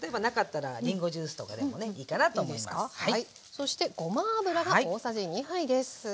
そしてごま油が大さじ２杯です。